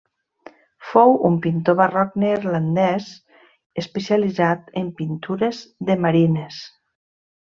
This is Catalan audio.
Fou un pintor barroc neerlandès especialitzat en pintures de marines.